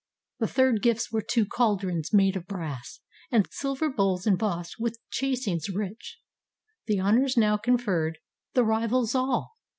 The third gifts were two caldrons made of brass, And silver bowls embossed with chasings rich. The honors now conferred, the rivals all.